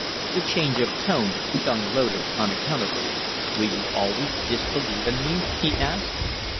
The change of tone stung Loder unaccountably. "Will you always disbelieve in me?" he asked.